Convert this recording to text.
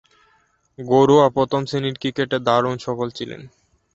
ঘরোয়া প্রথম-শ্রেণীর ক্রিকেটে দারুণ সফল ছিলেন।